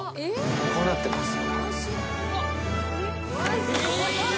こうなってます。